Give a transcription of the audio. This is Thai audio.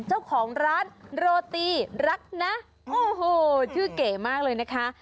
เจ้าของร้านโรตีรักนะโอ้โหชื่อเก๋มากเลยนะคะ